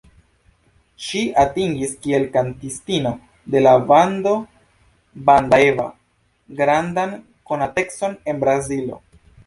Ŝi atingis kiel kantistino de la bando "Banda Eva" grandan konatecon en Brazilo.